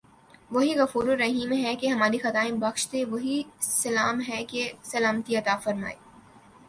وہی غفورالرحیم ہے کہ ہماری خطائیں بخش دے وہی سلام ہے کہ سلامتی عطافرمائے